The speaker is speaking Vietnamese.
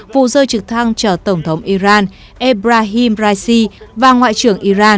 vụ rơi trực thăng chở tổng thống iran ebrahim raisi và ngoại trưởng iran